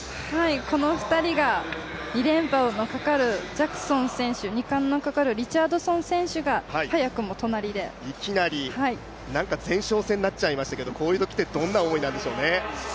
この２人が２連覇のかかるジャクソン選手、２冠のかかるリチャードソン選手がいきなり、何か前哨戦になっちゃいましたけど、こういうときってどういう思いなんでしょうね。